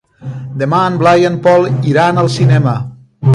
Demà en Blai i en Pol iran al cinema.